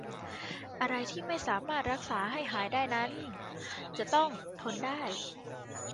อะไรที่ไม่สามารถรักษาให้หายได้นั้นจะต้องทนได้